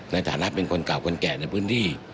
ในฐานะเป็นคนเก่าคนแก่ในพื้นที่